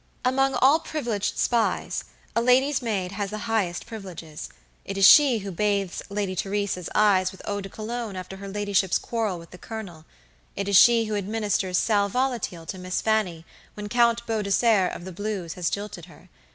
Among all privileged spies, a lady's maid has the highest privileges; it is she who bathes Lady Theresa's eyes with eau de cologne after her ladyship's quarrel with the colonel; it is she who administers sal volatile to Miss Fanny when Count Beaudesert, of the Blues, has jilted her.